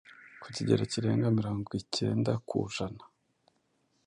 ku kigero kirenga mirongwicyenda ku jana,